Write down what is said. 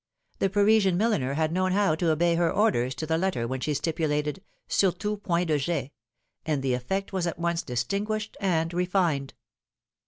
The Parisian milliner had known how to obey her orders to the letter when she stipulated surtout point de jais and the effect was at once distinguished and refined.